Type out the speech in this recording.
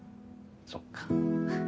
そっか。